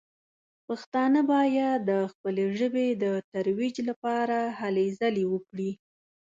پښتانه باید د خپلې ژبې د ترویج لپاره هلې ځلې وکړي.